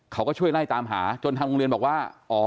เขาก็ช่วยไล่ตามหาจนทางโรงเรียนบอกว่า